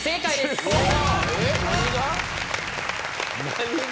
何が？